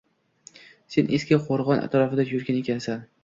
Sen eski qo‘rg‘on atrofida yurgan ekansan